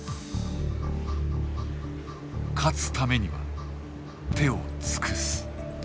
勝つためには手を尽くす。